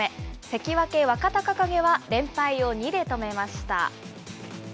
関脇・若隆景は連敗を２で止めました。